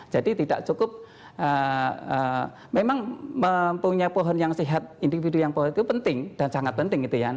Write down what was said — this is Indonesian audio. jadi tidak cukup memang mempunyai pohon yang sehat individu yang sehat itu penting dan sangat penting